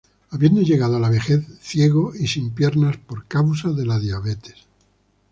Habiendo llegado a la vejez ciego y sin piernas por causa de diabetes.